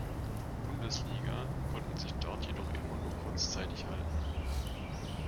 Bundesliga, konnten sich dort jedoch immer nur kurzzeitig halten.